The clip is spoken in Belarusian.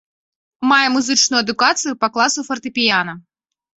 Мае музычную адукацыю па класу фартэпіяна.